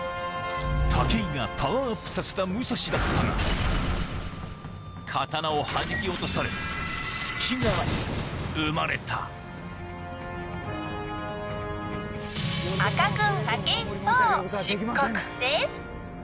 武井がパワーアップさせた武蔵だったが刀をはじき落とされ隙が生まれた赤軍。